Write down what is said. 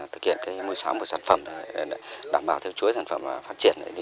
thực hiện môi sóng của sản phẩm đảm bảo theo chuỗi sản phẩm phát triển